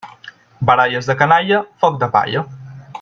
Baralles de canalla, foc de palla.